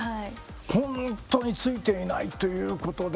ほんとについていないということで。